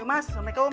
yuk mas waalaikumsalam